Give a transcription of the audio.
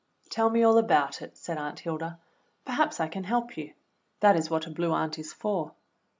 "Tell me all about it," said Aunt Hilda. "Perhaps I can help you; that is what a Blue Aunt is for.